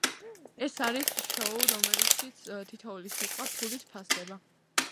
ეს არის შოუ, რომელშიც თითოეული სიტყვა ფულით ფასდება.